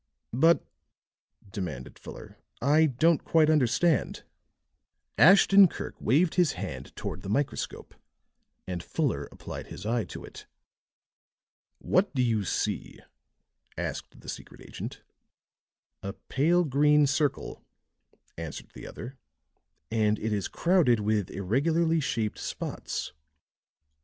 "But," demanded Fuller, "I don't quite understand." Ashton Kirk waved his hand toward the microscope, and Fuller applied his eye to it. "What do you see?" asked the secret agent. "A pale green circle," answered the other, "and it is crowded with irregularly shaped spots."